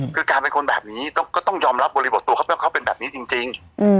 คือการเป็นคนแบบนี้ก็ต้องยอมรับบริบทตัวเขาเป็นแบบนี้จริง